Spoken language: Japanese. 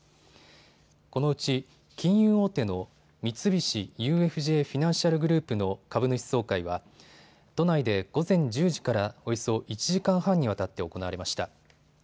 このうち金融大手の三菱ＵＦＪフィナンシャル・グループの株主総会は、都内で午前１０時からおよそ１時間半にわたって行われました。